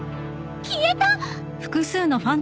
消えた！？